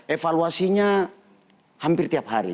evaluasinya hampir tiap hari